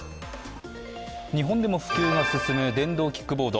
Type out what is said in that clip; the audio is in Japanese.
日本でも普及が進む電動キックボード。